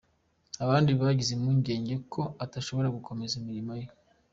Abandi bagize impungenge ko atashobora gukomeza imirimo ye.